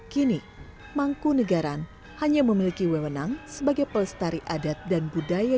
kini mangku negara hanya memiliki wewenang sebagai pelestari adat dan budaya